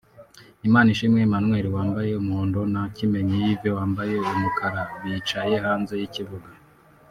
Imanishimwe Emmanuel (wambaye umuhondo) na Kimenyi Yves (wambaye umukara) bicaye hanze y'ikibuga